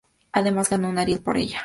Además ganó un Ariel por ella.